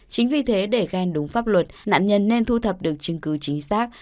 chính vì thế để ghen đúng pháp luật nạn nhân nên thu thập được chứng cứ chính xác